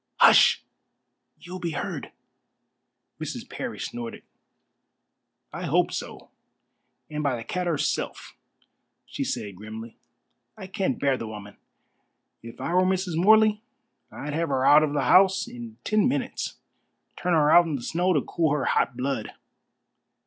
"Hush! You will be heard." Mrs. Parry snorted. "I hope so, and by the cat herself," she said grimly. "I can't bear the woman. If I were Mrs. Morley I'd have her out of the house in ten minutes. Turn her out in the snow to cool her hot blood.